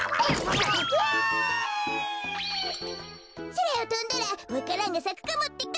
「そらをとんだらわか蘭がさくかもってか」